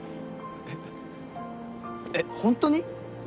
えっえっ本当に！？